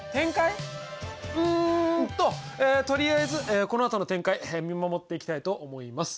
うんととりあえずこのあとの展開見守っていきたいと思います。